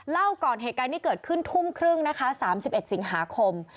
เล่าก่อนเหตุการณ์ที่เกิดขึ้นทุ่มครึ่งนะคะ๓๑สิงหาคม